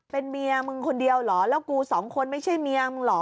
เป็นเมียมึงคนเดียวเหรอแล้วกูสองคนไม่ใช่เมียมึงเหรอ